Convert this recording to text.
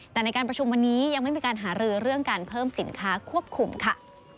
แต่ในการประชุมวันนี้ยังไม่มีการหารือเรื่องการเพิ่มสินค้าควบคุมค่ะ